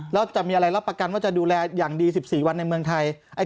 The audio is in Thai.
แล้วจะมีอะไรรับประกันว่าจะดูแลอย่างดี๑๔วันในเมืองไทย